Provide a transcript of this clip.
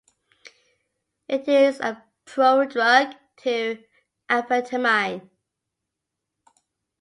It is a prodrug to amphetamine.